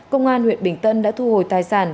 công an huyện bình tân đã thu hồi tài sản